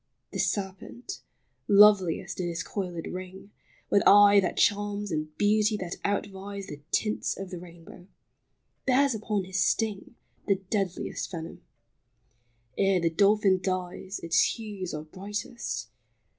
The serpent — loveliest in his coiled ring, With eye that charms, and beauty that outvies The tints of the rainbow — bears upon his sting The deadliest venom. Ere the dolphin dies Its hues are brightest.